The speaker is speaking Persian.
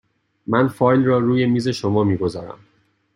من فایل را روی میز شما می گذارم.